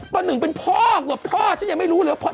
ปะหนึ่งเป็นพ่อกว่าพ่อฉันยังไม่รู้เลยว่าพ่อ